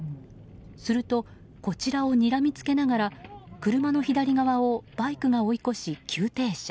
すると、こちらをにらみつけながら車の左側をバイクが追い越し、急停車。